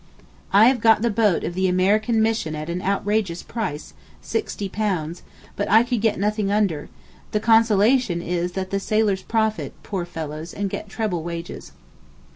I have got the boat of the American Mission at an outrageous price, £60, but I could get nothing under; the consolation is that the sailors profit, poor fellows, and get treble wages.